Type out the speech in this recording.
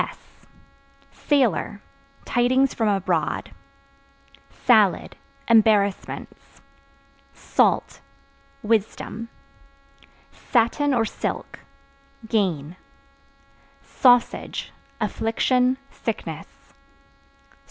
S Sailor Tidings from abroad. Salad Embarrassments. Salt Wisdom. Satin or Silk Gain. Sausage Affliction, sickness.